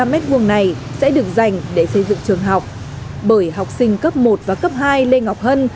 ba năm trăm linh m hai này sẽ được dành để xây dựng trường học bởi học sinh cấp một và cấp hai lê ngọc hân